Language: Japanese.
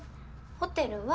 ホテルは。